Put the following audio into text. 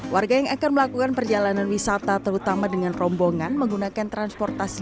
warga yang akan melakukan perjalanan wisata terutama dengan rombongan menggunakan transportasi